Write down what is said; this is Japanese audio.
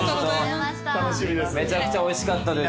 めちゃくちゃおいしかったです。